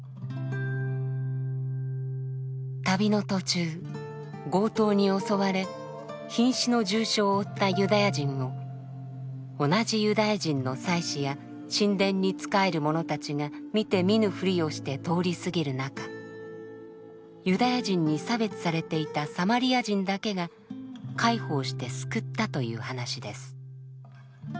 旅の途中強盗に襲われひん死の重傷を負ったユダヤ人を同じユダヤ人の祭司や神殿に仕える者たちが見て見ぬふりをして通り過ぎる中ユダヤ人に差別されていたサマリア人だけが介抱して救ったという話です。